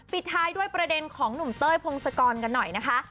ปิดท้ายด้วยประเด็นของหนุ่มเต้ยพงศกรกันหน่อยนะคะ